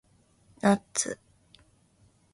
ナッツ